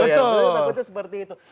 takutnya seperti itu